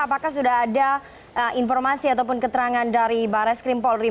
apakah sudah ada informasi ataupun keterangan dari bareskrim polri